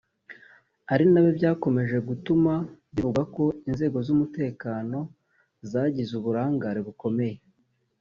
ari nabyo byakomeje gutuma bivugwa ko inzego z’umutekano zagize uburangare bukomeye